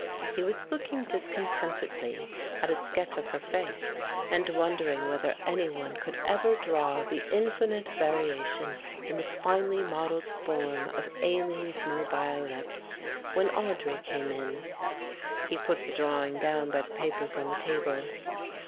He was looking discontentedly at a sketch of her face and wondering whether any one could ever draw the infinite variation in the finely modelled form of Aline's mobile lips, when Audry came in. He put the drawing down by the papers on the table.